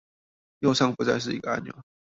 右上不再是一個按鈕